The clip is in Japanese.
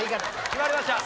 決まりました。